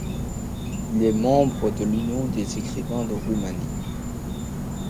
Il est membre de l'Union des écrivains de Roumanie.